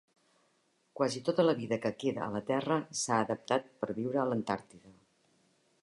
Quasi tota la vida que queda a la Terra s'ha adaptat per viure a l'Antàrtida.